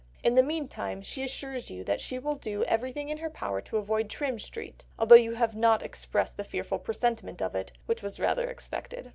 In the meantime she assures you that she will do everything in her power to avoid Trim Street, although you have not expressed the fearful presentiment of it, which was rather expected.